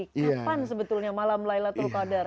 kapan sebetulnya malam laylatul qadar